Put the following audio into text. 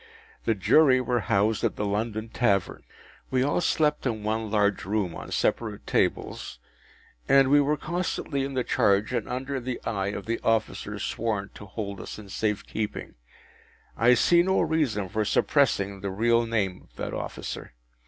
The Jury were housed at the London Tavern. We all slept in one large room on separate tables, and we were constantly in the charge and under the eye of the officer sworn to hold us in safe keeping. I see no reason for suppressing the real name of that officer.